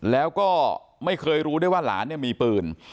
แล้วก็ไม่เคยรู้ได้ว่าหลานเนี่ยมีปืน